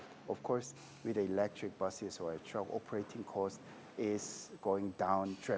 tentu saja dengan bus atau kereta elektrik harga operasi berjalan dengan dramatik